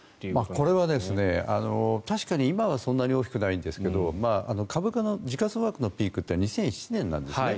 これは、確かに今はそんなに大きくないんですけど株価の時価総額のピークって２００７年なんですね。